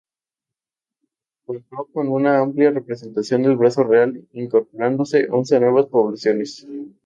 Contó con una amplia representación del brazo real incorporándose once nuevas poblaciones.